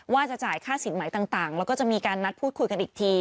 ว่าจะจ่ายค่าสินใหม่ต่างแล้วก็จะมีการนัดพูดคุยกันอีกที